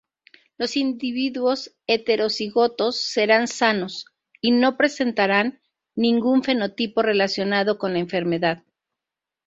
Los individuos heterocigotos serán sanos y no presentarán ningún fenotipo relacionado con la enfermedad.